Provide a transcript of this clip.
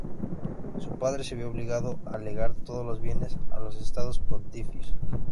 Su padre se vio obligado a legar todos sus bienes a los Estados Pontificios.